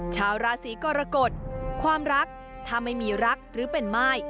ชาวราศีกรกฎความรักถ้าไม่มีรักหรือเป็นม่าย